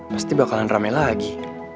pasti bakalan rame lagi